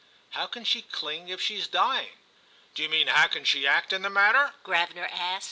"How can she cling if she's dying?" "Do you mean how can she act in the matter?" Gravener asked.